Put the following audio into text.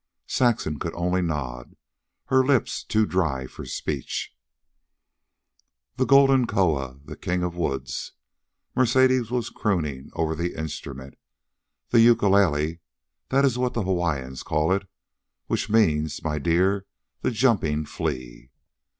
Saxon could only nod, her lips too dry for speech. "The golden koa, the king of woods," Mercedes was crooning over the instrument. "The ukulele that is what the Hawaiians call it, which means, my dear, the jumping flea.